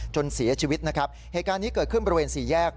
จนเสียชีวิตนะครับเหตุการณ์นี้เกิดขึ้นบริเวณสี่แยก